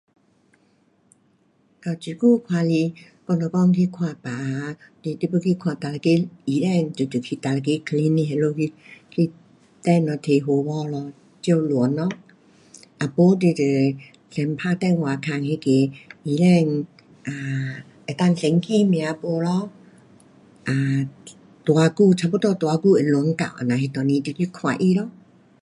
到这久看来，我若讲去看病啊，就是你要去看哪一个医生，你就去哪一个 clinic 去等咯，拿号码咯，照轮咯。要不你就先打电话问那个医生 um 能够先记名不咯？um 多久，差不多多久会轮到，这样那阵时就去看他咯。